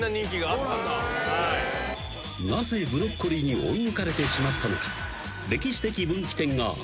［なぜブロッコリーに追い抜かれてしまったのか？］